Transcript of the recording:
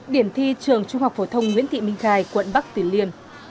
điểm thi trường trung học phổ thông nguyễn thị minh khai quận bắc tuyên liên